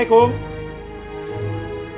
tidak ada yang bisa